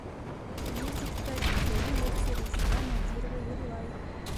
Видикта билдәле йырсы Резеда Надирова йырлай.